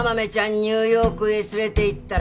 ニューヨークへ連れていったら